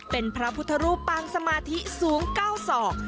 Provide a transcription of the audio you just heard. เป็นพระพุทธรูปปางสมาธิสูง๙ศอก